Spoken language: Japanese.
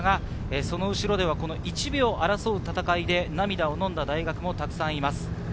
その後ろで１秒を争う戦いで涙をのんだ大学もたくさんいます。